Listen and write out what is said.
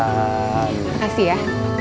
terima kasih ya